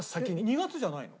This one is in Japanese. ２月じゃないの？